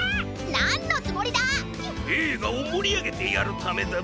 なんのつもりだ！